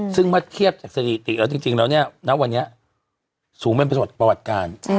ซึ่งเมื่อเทียบจากสถิติแล้วจริงแล้วเนี่ยณวันนี้สูงเป็นประโยชน์ประวัติการ